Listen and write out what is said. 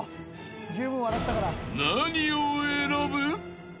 ［何を選ぶ？］